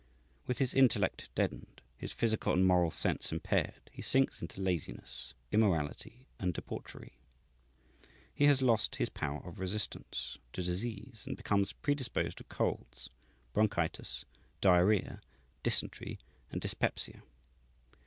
With his intellect deadened, his physical and moral sense impaired, he sinks into laziness, immorality, and debauchery. He has lost his power of resistance to disease, and becomes predisposed to colds, bronchitis, diarrhoea, dysentery, and dyspepsia.